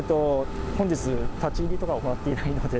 本日、立ち入りとかは行っていないので。